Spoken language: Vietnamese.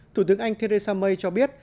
thủ tướng anh theresa may cho biết